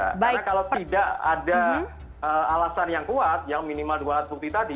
karena kalau tidak ada alasan yang kuat yang minimal dua alat bukti tadi